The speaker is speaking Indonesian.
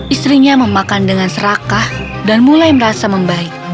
istrinya memakan dengan serakah dan mulai merasa membaik